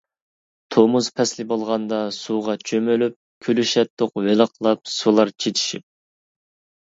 تومۇز پەسلى بولغاندا سۇغا چۆمۈلۈپ، كۈلۈشەتتۇق ۋىلىقلاپ سۇلار چىچىشىپ.